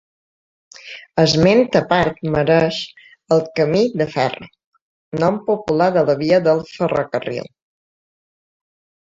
Esment a part mereix el Camí de Ferro, nom popular de la via del ferrocarril.